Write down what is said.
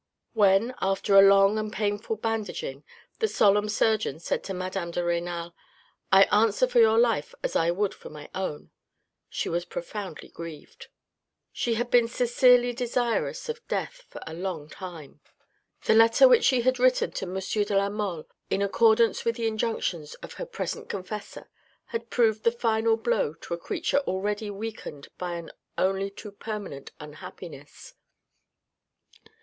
When, after a long and painful bandaging, the solemn surgeon said to madame de Renal, " I answer for your life as I would for my own," she was profoundly grieved. She had been sincerely desirous of death for a long time. The letter which she had written to M. de la Mole in accordance with the injunctions of her present confessor, had proved the final blow to a creature already weakened by an only too permanent unhappiness.